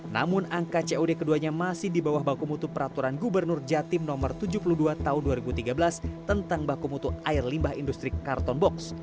namun angka cod keduanya masih di bawah baku mutu peraturan gubernur jatim no tujuh puluh dua tahun dua ribu tiga belas tentang baku mutu air limbah industri karton box